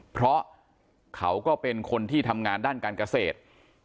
เพราะเขาก็เป็นคนที่ทำงานด้านการเกษตร